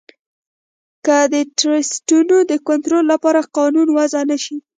که د ټرسټونو د کنترول لپاره قانون وضعه نه شي.